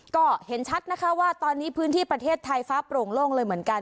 ก็เห็นชัดนะคะว่าตอนนี้พื้นที่ประเทศไทยฟ้าโปร่งโล่งเลยเหมือนกัน